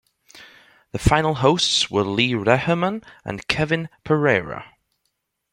The final hosts were Lee Reherman and Kevin Pereira.